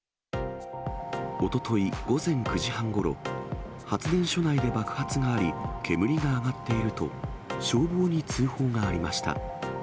おととい午前９時半ごろ、発電所内で爆発があり、煙が上がっていると消防に通報がありました。